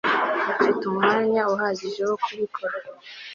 ufite umwanya uhagije wo kubikora